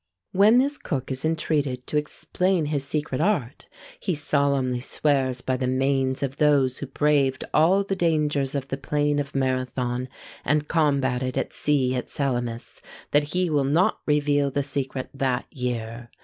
When this cook is entreated to explain his secret art, he solemnly swears by the manes of those who braved all the dangers of the plain of Marathon, and combated at sea at Salamis, that he will not reveal the secret that year.